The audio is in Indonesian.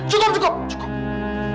cukup cukup cukup